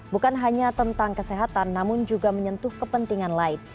bukan hanya tentang kesehatan namun juga menyentuh kepentingan lain